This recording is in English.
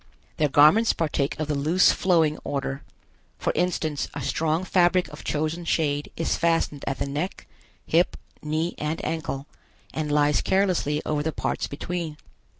Their garments partake of the loose flowing order. For instance, a strong fabric of chosen shade is fastened at the neck, hip, knee and ankle, and lies carelessly over the parts between.